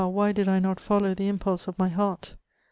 why did I not follow the impulse of mj heart